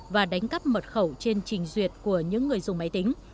và đánh cắp mật khẩu trên trình duyệt của những người dùng máy tính